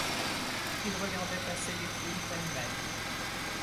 Ils regardaient passer les foules pêle-mêle